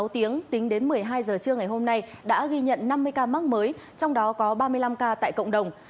sáu tiếng tính đến một mươi hai giờ trưa ngày hôm nay đã ghi nhận năm mươi ca mắc mới trong đó có ba mươi năm ca tại cộng đồng